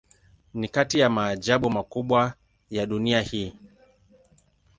Ni kati ya maajabu makubwa ya dunia hii.